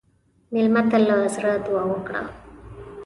مېلمه ته له زړه دعا وکړه.